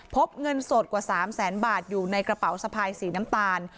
พบเงินสดกว่า๓แสนบาทอยู่ในกระเป๋าสะพายสีน้ำตาล